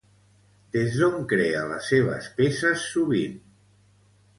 Des d'on crea les seves peces sovint?